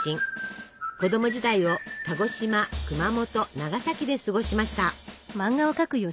子供時代を鹿児島熊本長崎で過ごしました。